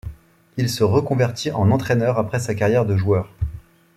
Il se reconvertit en entraîneur après sa carrière de joueur.